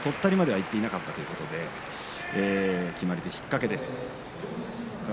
とったりまではいっていないということで決まり手は引っ掛けです。